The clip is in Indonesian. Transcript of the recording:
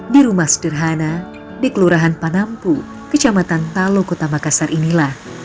di rumah sederhana di kelurahan panampu kecamatan talo kota makassar inilah